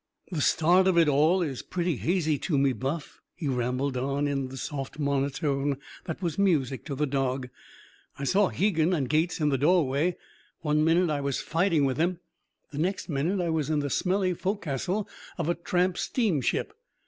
"The start of it all is pretty hazy to me, Buff," he rambled on, in the soft monotone that was music to the dog. "I saw Hegan and Gates in the doorway. One minute I was fighting with them. The next minute I was in the smelly fo'cas'le of a tramp steamship.